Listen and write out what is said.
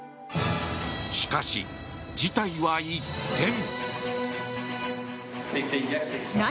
しかし、事態は一転！